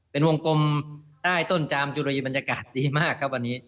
เป็นวงกลมใต้ต้นจามจุรีบรรยากาศดีมากครับวันนี้